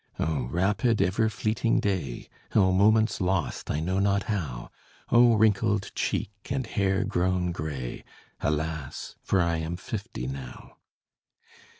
O rapid, ever fleeting day! O moments lost, I know not how! O wrinkled cheek and hair grown gray! Alas, for I am fifty now!